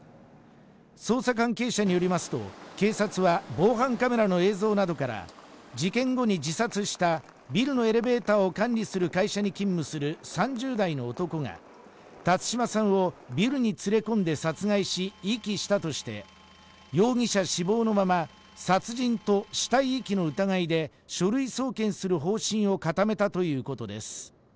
捜査関係者によりますと警察は防犯カメラの映像などから事件後に自殺したビルのエレベーターを管理する会社に勤務する３０代の男が辰島さんをビルに連れ込んで殺害し遺棄したとして容疑者死亡のまま殺人と死体遺棄の疑いで書類送検する方針を固めたということです